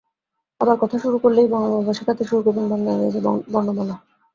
আবার কথা বলা শুরু করলেই মা-বাবা শেখাতে শুরু করেন বাংলা-ইংরেজি বর্ণমালা।